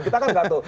kita kan nggak tahu